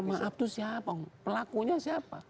menghapus pelakunya siapa